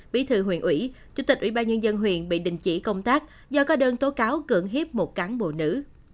bí thư huyện ủy chủ tịch ủy ban nhân dân huyện bị đình chỉ công tác do có đơn tố cáo cưỡng hiếp một cán bộ nữ